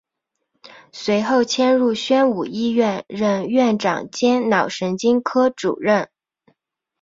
随后迁入宣武医院任院长兼脑神经科主任。